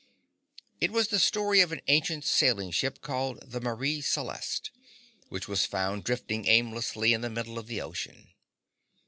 It was the story of an ancient sailing ship called the Marie Celeste, which was found drifting aimlessly in the middle of the ocean.